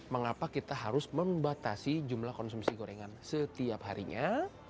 mengapa kita harus membatasi jumlah konsumsi gorengan setiap harinya